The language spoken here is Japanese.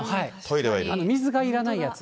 水がいらないやつ。